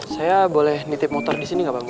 saya boleh nitip motor disini gak pak